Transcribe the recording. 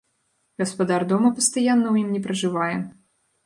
Гаспадар дома пастаянна ў ім не пражывае.